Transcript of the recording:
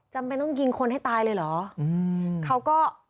จะไม่ต้องยิงคนให้ตายเลยเหรอ